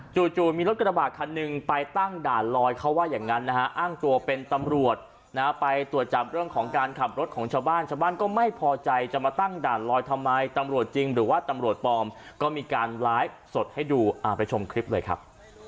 จู่มีรถกระบาดคันหนึ่งไปตั้งด่านลอยเขาว่าอย่างนั้นนะฮะอ้างตัวเป็นตำรวจนะฮะไปตรวจจับเรื่องของการขับรถของชาวบ้านชาวบ้านก็ไม่พอใจจะมาตั้งด่านลอยทำไมตำรวจจริงหรือว่าตำรวจปลอมก็มีการไลฟ์สดให้ดูไปชมคลิปเลยครับ